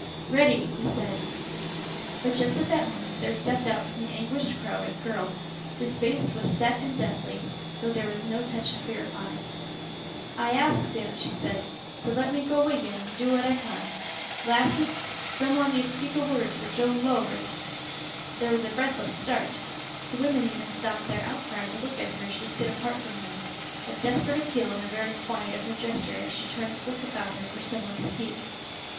"Ready!" he said. But just at that moment there stepped out from the anguished crowd a girl, whose face was set and deathly, though there was no touch of fear upon it. "I ax yo'," she said, "to let me go wi' yo' and do what I con. Lasses, some on yo' speak a word for Joan Lowrie!" There was a breathless start. The women even stopped their outcry to look at her as she stood apart from them, a desperate appeal in the very quiet of her gesture as she turned to look about her for some one to speak.